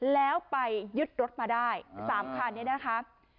แล้วไปยึดรถมาได้๓คันนี้นะคะ